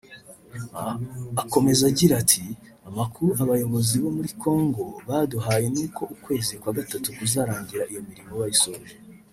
Akomeza agira ati” Amakuru abayobozi bo muri Congo baduhaye n’uko ukwezi kwa gatatu kuzarangira iyo mirimo bayisoje